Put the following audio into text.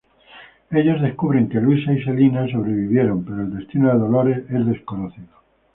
Ellos descubren que Luisa y Selina sobrevivieron, pero el destino de Dolores es desconocido.